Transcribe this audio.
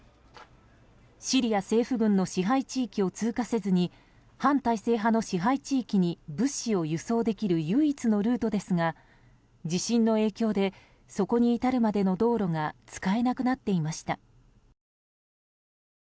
シリア政府軍の支配地域を通過せずに反体制派の支配地域に物資を輸送できる唯一のルートですが地震の影響でそこに至るまでの道路が使えなくなっていました。